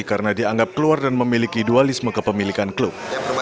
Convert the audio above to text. karena dianggap keluar dan memiliki dualisme kepemilikan klub